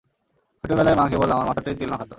ছোটবেলায়, মা কেবল আমার মাথাতেই তেল মাখাতো।